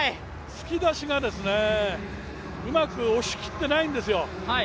突き出しがうまく押し切ってないんですよ。